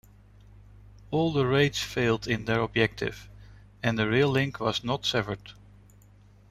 All the raids failed in their objective and the rail link was not severed.